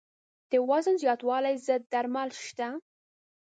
د وزن زیاتوالي ضد درمل شته.